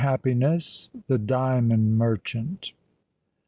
HAPPINESS.—THE DIAMOND MERCHANT.